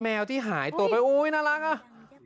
แมวที่หายตัวไปอุ๊ยน่ารักอ่ะ